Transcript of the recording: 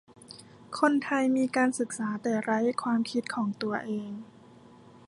คนไทยมีการศึกษาแต่ไร้ความคิดของตัวเอง